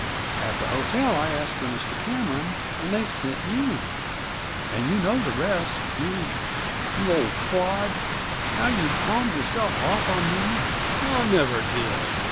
At the hotel I asked for Mr. Cameron, and they sent you in. And you know the rest, you you old fraud! How you palmed yourself off on me " "I never did!